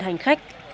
hành động giao thông